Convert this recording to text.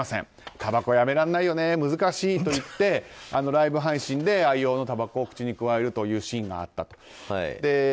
たばこやめらんないよね難しいと言ってライブ配信で愛用のたばこを口にくわえるシーンがあったと。